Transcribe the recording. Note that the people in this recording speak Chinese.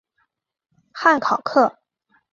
汉考克。